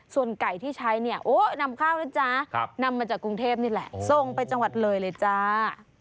ส่วนไก่ที่ใช้เนี่ยโอ้นำข้าวนะจ๊ะนำมาจากกรุงเทพนี่แหละส่งไปจังหวัดเลยเลยจ้า